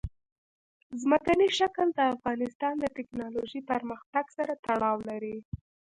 ځمکنی شکل د افغانستان د تکنالوژۍ پرمختګ سره تړاو لري.